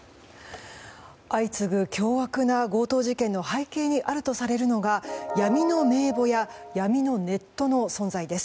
相次ぐ凶悪な強盗事件の背景にあるとされるのが闇の名簿屋闇のネットの存在です。